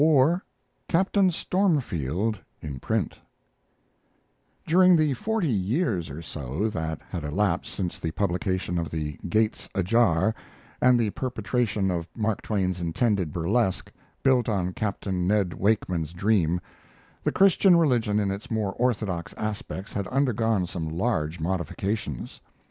CCLXIV. "CAPTAIN STORMFIELD" IN PRINT During the forty years or so that had elapsed since the publication of the "Gates Ajar" and the perpetration of Mark Twain's intended burlesque, built on Captain Ned Wakeman's dream, the Christian religion in its more orthodox aspects had undergone some large modifications.